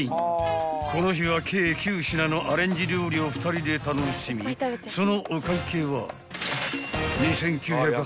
この日は計９品のアレンジ料理を２人で楽しみそのお会計は］